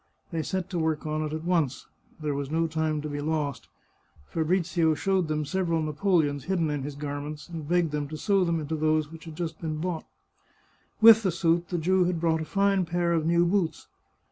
They set to work on it at once; there was no time to be lost. Fabrizio showed them several napoleons hidden in his garments, and begged them to sew them into 75 The Chartreuse of Parma those which had just been bought. With the suit the Jew had brought a fine pair of new boots.